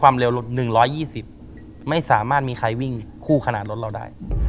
เร็ว๑๒๐ไม่สามารถมีใครวิ่งคู่ขนาดรถเราได้